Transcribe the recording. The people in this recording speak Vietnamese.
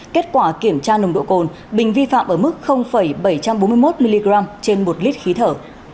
kết quả kiểm tra nồng độ cồn bình vi phạm ở mức bảy trăm bốn mươi một mg trên một lít khí thở